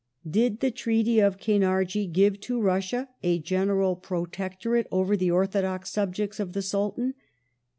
Did the Treaty of Kainardji give to Russia a general protectorate over the ortho dox subjects of the Sultan